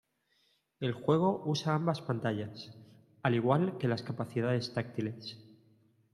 El juego usa ambas pantallas, al igual que las capacidades táctiles.